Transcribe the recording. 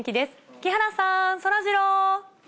木原さん、そらジロー。